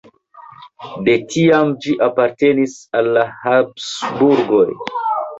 De tiam ĝi apartenis al la Habsburgoj.